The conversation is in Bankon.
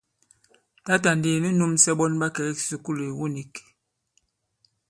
Tǎtà ndi nu nūmsɛ ɓɔn ɓa kɛ̀ i kisùkulù ìwu nīk.